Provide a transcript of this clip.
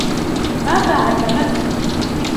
ماذا علمَتك ؟